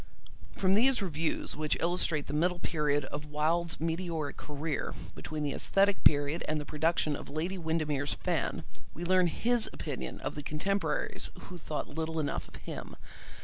From these reviews which illustrate the middle period of Wilde's meteoric career, between the aesthetic period and the production of Lady Windermere's Fan, we learn his opinion of the contemporaries who thought little enough of him.